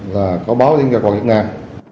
là có báo đến cơ quan chức năng